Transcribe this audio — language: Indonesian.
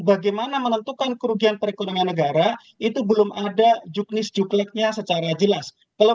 bagaimana menentukan kerugian perekonomian negara itu belum ada juknis jukleknya secara jelas kalau